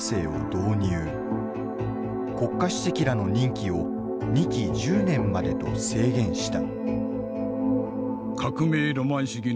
国家主席らの任期を２期１０年までと制限した。